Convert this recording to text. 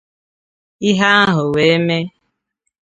ihe ahụ wee mee.